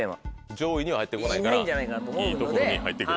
上位には入って来ないからいいところに入って来る。